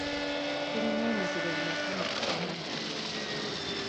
Tulina emiziro emeka mu Buganda.